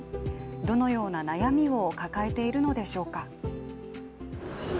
どのような悩みを抱えているのでしょうか。